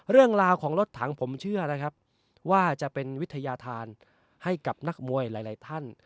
เรื่องราวของรถถังผมเชื่อนะครับว่าจะเป็นวิทยาธารให้กับนักมวยหลายท่าน